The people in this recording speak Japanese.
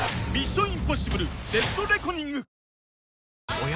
おや？